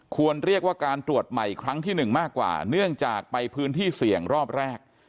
ควรเรียกว่าการตรวจใหม่ครั้งที่หนึ่งมากกว่าเนื่องจากไปพื้นที่เสี่ยงรอบแรก